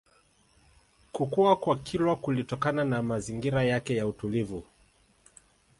Kukua kwa Kilwa kulitokana na mazingira yake ya utulivu